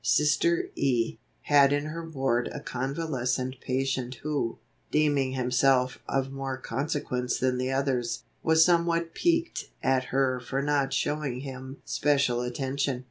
Sister E had in her ward a convalescent patient who, deeming himself of more consequence than the others, was somewhat piqued at her for not showing him special attention.